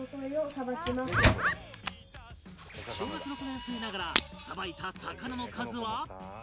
小学６年生ながら捌いた魚の数は